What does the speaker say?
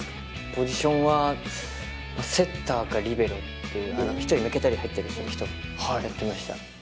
ポジションはまあセッターかリベロっていう一人抜けたり入ったりしてる人やってました